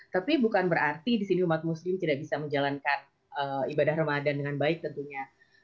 tapi bukan berarti di sini umat muslim tidak bisa menjalankan ibadah ramadan dengan baik tentunya